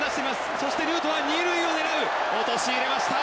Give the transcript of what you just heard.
そして、ヌートバーは２塁を狙う陥れました。